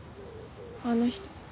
あの人